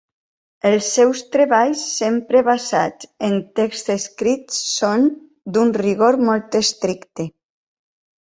Els seus treballs, sempre basats en texts escrits, són d’un rigor molt estricte.